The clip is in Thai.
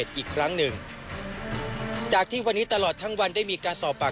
จอบประเด็นจากรายงานของคุณศักดิ์สิทธิ์บุญรัฐครับ